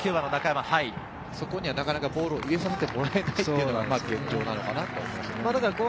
そこになかなかボールを入れさせてもらえないというのが現状なのかなと。